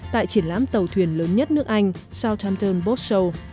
tại triển lãm tàu thuyền lớn nhất nước anh southampton boat show